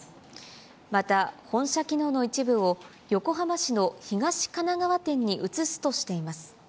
また本社機能の一部を横浜市の東神奈川店に移すとしています。